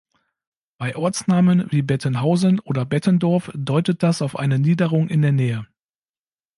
Bei Ortsnamen wie Bettenhausen oder Bettendorf deutet das auf eine Niederung in der Nähe.